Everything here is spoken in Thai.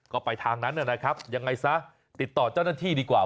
ก็ไปทางนั้นนะครับยังไงซะติดต่อเจ้าหน้าที่ดีกว่า